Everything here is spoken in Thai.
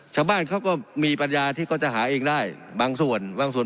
ชาวบ้านเขาก็มีปัญญาที่เขาจะหาเองได้บางส่วนบางส่วน